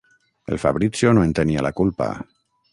El Fabrizio no en tenia la culpa.